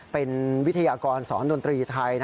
เป็นวิทยากรสอนดนตรีไทย